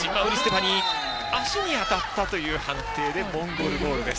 足に当たったという判定でモンゴルボールです。